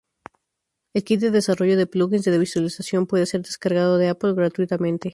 El kit de desarrollo de plugins de visualización puede ser descargado de Apple gratuitamente.